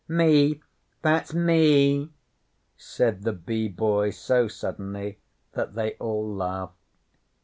'Me! That's me!' said the Bee Boy so suddenly that they all laughed.